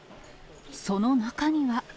その中には。